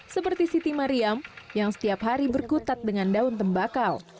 seperti siti mariam yang setiap hari berkutat dengan daun tembakau